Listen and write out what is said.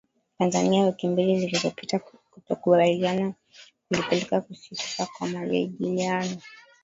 Tanzania wiki mbili zilizopita kutokukubaliana kulipelekea kusitishwa kwa majadiliano